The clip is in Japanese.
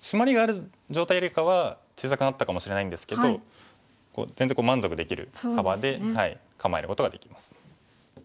シマリがある状態よりかは小さくなったかもしれないんですけど全然満足できる幅で構えることができます。